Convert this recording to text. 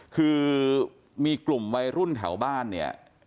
คือมีกลุ่มวัยรุ่นแถวบ้านเนี่ย